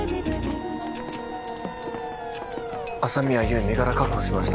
朝宮優身柄確保しました